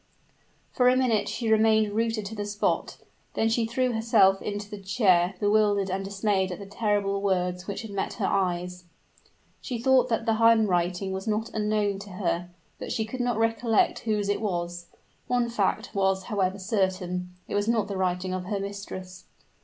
For a minute she remained rooted to the spot; then she threw herself into the chair, bewildered and dismayed at the terrible words which had met her eyes. She thought that the handwriting was not unknown to her; but she could not recollect whose it was. One fact was, however, certain it was not the writing of her mistress.